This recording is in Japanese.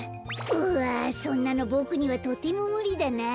うわそんなのボクにはとてもむりだな。